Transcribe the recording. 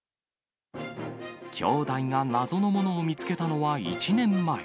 兄弟が謎のものを見つけたのは１年前。